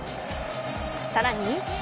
さらに。